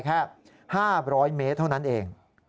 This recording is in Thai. แค่๕๐๐เมตรเท่านั้นเอง